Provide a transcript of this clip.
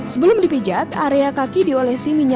sebelum dipijat area kaki diolesi minyak